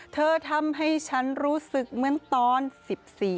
เธอทำให้ฉันรู้สึกเหมือนตอน๑๔อันนี้